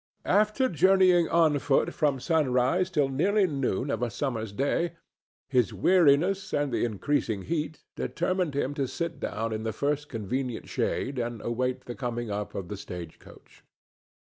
After journeying on foot from sunrise till nearly noon of a summer's day, his weariness and the increasing heat determined him to sit down in the first convenient shade and await the coming up of the stage coach.